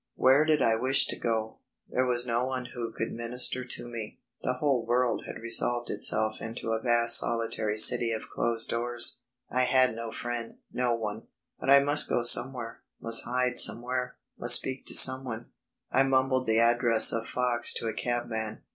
Where did I wish to go to? There was no one who could minister to me; the whole world had resolved itself into a vast solitary city of closed doors. I had no friend no one. But I must go somewhere, must hide somewhere, must speak to someone. I mumbled the address of Fox to a cabman.